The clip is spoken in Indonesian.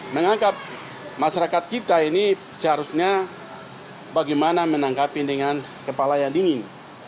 menganggap masyarakat kita ini seharusnya bagaimana menangkapi dengan kepala yang dingin